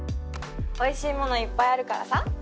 おいしいものいっぱいあるからさ。